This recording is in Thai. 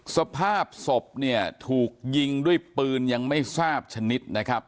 สภาพศพเนี่ยถูกยิงด้วยปืนยังไม่ทราบชนิดนะครับ